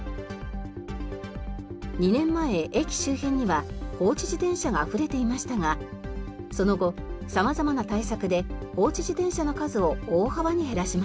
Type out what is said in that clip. ２年前駅周辺には放置自転車があふれていましたがその後様々な対策で放置自転車の数を大幅に減らしました。